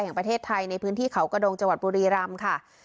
แห่งประเทศไทยในพื้นที่เขากระดงจังหวัดบุรีรำค่ะ